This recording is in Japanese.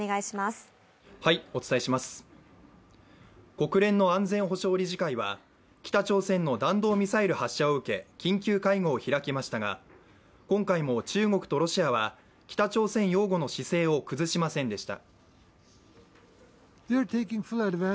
国連の安全保障理事会は北朝鮮の弾道ミサイル発射を受け緊急会合を開きましたが、今回も中国とロシアは北朝鮮擁護の姿勢を崩しませんでした。